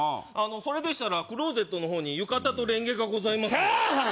それでしたらクローゼットの方に浴衣とレンゲがございますのでチャーハン！